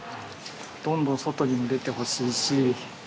どんどん外にも出てほしいし。